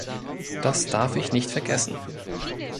Das darf ich nicht vergessen.